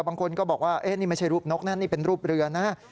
บางคนก็บอกว่านี่ไม่ใช่รูปนกนะนี่เป็นรูปเรือนะ